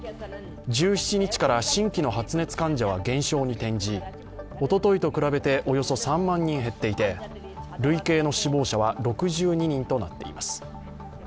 １７日から新規の発熱患者は減少に転じ、おとといと比べておよそ３万人減っていて累計の死亡者は６２人となっています。